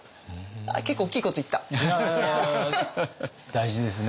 大事ですね。